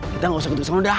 kita gak usah gitu gitu udah